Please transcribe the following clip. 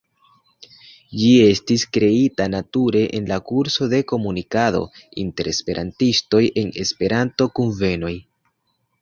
Ĝi estis kreita nature en la kurso de komunikado inter Esperantistoj en Esperanto-kunvenoj.